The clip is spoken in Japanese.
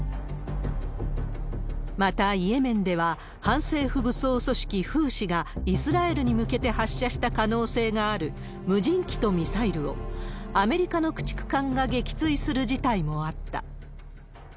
またイエメンでは、反政府武装組織フーシが、イスラエルに向けて発射した可能性がある無人機とミサイルをアメリカの駆逐艦が撃墜する事態もあった。